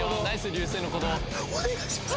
お願いします